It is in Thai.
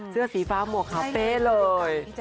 เสื้อสีฟ้าหมวกคาเฟ้เลย